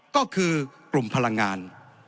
ก็คือกลุ่มพลังงาน